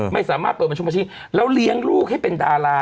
ไม่สามารถเปิดบัญชีแล้วเลี้ยงลูกให้เป็นดารา